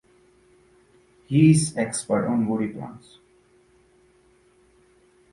He is an expert on woody plants.